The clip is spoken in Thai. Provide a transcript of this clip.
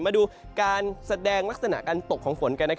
มาดูการแสดงลักษณะการตกของฝนกัน